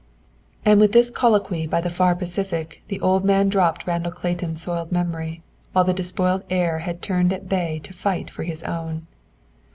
And with this colloquy by the far Pacific, the old man dropped Randall Clayton's soiled memory, while the despoiled heir had turned at bay to fight for his own.